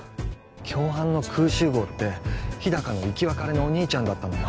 共犯のクウシュウゴウって日高の生き別れのお兄ちゃんだったのよ